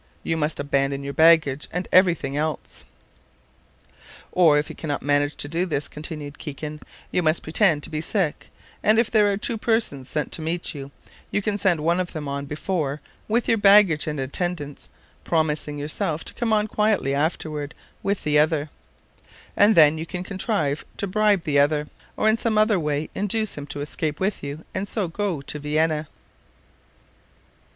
You must abandon your baggage and every thing else. "Or, if you can not manage to do this," continued Kikin, "you must pretend to be sick; and if there are two persons sent to meet you, you can send one of them on before, with your baggage and attendants, promising yourself to come on quietly afterward with the other; and then you can contrive to bribe the other, or in some other way induce him to escape with you, and so go to Vienna."